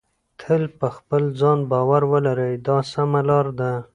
تل په خپل ځان باور ولرئ دا سمه لار ده.